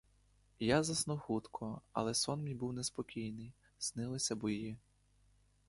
Я заснув хутко, але сон мій був неспокійний: снилися бої.